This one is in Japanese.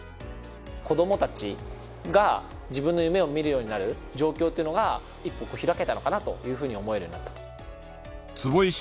子どもたちが自分の夢を見るようになる状況っていうのが一歩開けたのかなというふうに思えるようになったと。